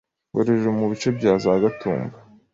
Ngororero mu bice bya za Gatumba,